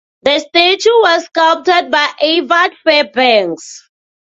The statue was sculpted by Avard Fairbanks.